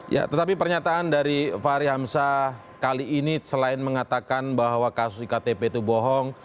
ya tetapi pernyataan dari fahri hamzah kali ini selain mengatakan bahwa kasus iktp itu bohong